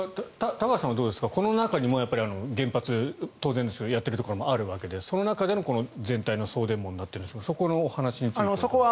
高橋さんはどうですかこの中にも原発当然ですけれどやっているところもある中でその中での全体の送電網になっているんですがそこの話については。